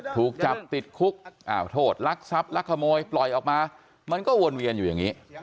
ถูกจับติดคุกโทษลักทรัพย์ลักขโมยปล่อยออกมามันก็วนเวียนอยู่อย่างนี้